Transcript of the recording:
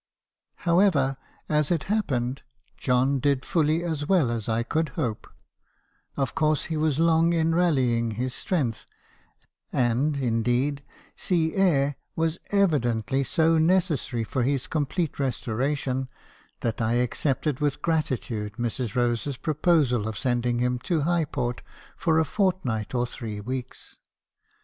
" However , as it happened , John did fully as well as I could hope — of course he was long in rallying his strength ; and , in deed , sea air was evidently so necessary for his complete re storation, that I accepted with gratitude Mrs. Eos e's proposal of sending him to Highport for a fortnight or three weeks.